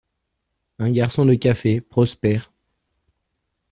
Un garçon de café : Prosper.